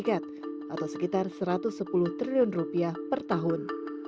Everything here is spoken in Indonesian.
atau sekitar satu ratus sepuluh triliun rupiah per tahun